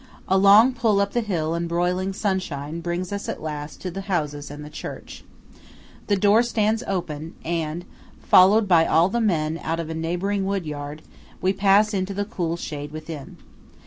A long pull up the hill in broiling sunshine brings us at last to the houses and the church. The door stands open, and, followed by all the men out of a neighbouring wood yard, we pass into the cool shade within.